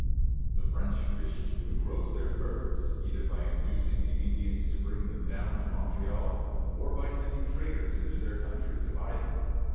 The French wished to engross their furs, either by inducing the Indians to bring them down to Montreal, or by sending traders into their country to buy them.